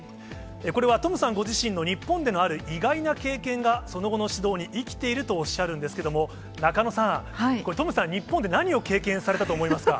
これはトムさんご自身の日本でのある意外な経験が、その後の指導に生きているとおっしゃるんですけれども、中野さん、これ、トムさん、日本で何を経験されたと思いますか。